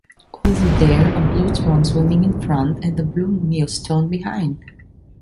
Over there, a blue swan swimming in front and a blue millstone behind.